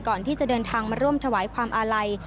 ก่อนที่จะเดินทางมาร่วมถวายความอาลัย